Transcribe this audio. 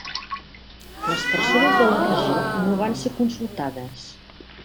Les persones de la regió no van ser consultades.